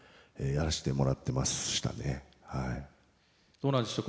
どうなんでしょう？